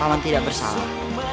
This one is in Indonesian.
kalian tidak bersalah